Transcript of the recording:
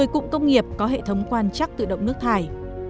một mươi cụm công nghiệp có hệ thống quan chắc tự động nước thải